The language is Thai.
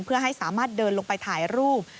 เพื่อให้สามารถเดินลงไปถ่ายรูป